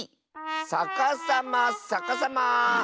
さかさまさかさま。